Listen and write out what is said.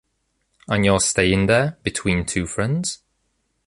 And you’re staying there, between two friends?